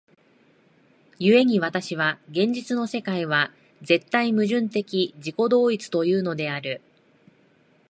故に私は現実の世界は絶対矛盾的自己同一というのである。